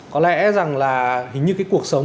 có lẽ rằng là hình như cái cuộc sống